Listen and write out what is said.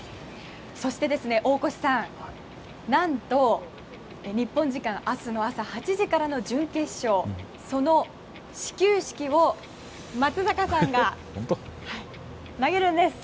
そして、大越さん何と、日本時間明日朝８時からの準決勝その始球式を松坂さんが投げるんです！